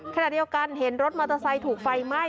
ขณะเดียวกันเห็นรถมอเตอร์ไซค์ถูกไฟไหม้